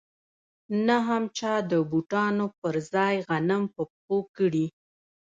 نه هم چا د بوټانو پر ځای غنم په پښو کړي